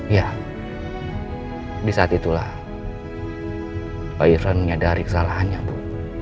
ya di saat itulah pak irfan menyadari kesalahannya bu